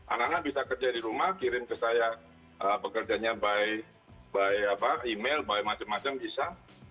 anak anak bisa kerja di rumah kirim ke saya pekerjanya by email by macam macam bisa